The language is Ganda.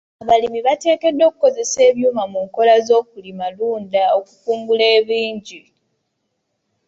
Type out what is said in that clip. Abalimi bateekeddwa okukozesa ebyuma mu nkola z'okulimalunda okukungula ebingi.